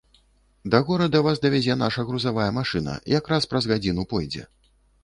Да горада вас давязе наша грузавая машына, якраз праз гадзіну пойдзе.